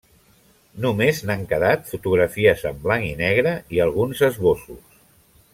Només n'han quedat fotografies en blanc i negre i alguns esbossos.